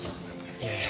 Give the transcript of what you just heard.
いえいえ。